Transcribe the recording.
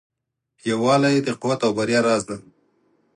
یووالی د قوت او بریا راز دی.